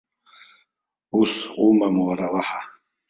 Ус умам уара уаҳа!